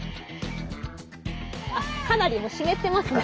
かなりもう湿ってますね。